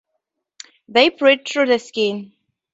They breathe through the skin.